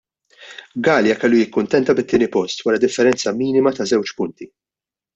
Galea kellu jikkuntenta bit-tieni post, wara differenza minima ta' żewġ punti.